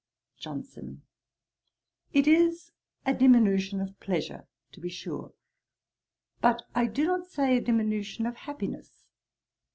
JOHNSON. 'It is a diminution of pleasure, to be sure; but I do not say a diminution of happiness.